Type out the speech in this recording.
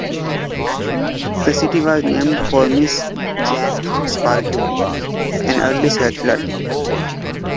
The city was named for Mrs. Jane Sprague, an early settler.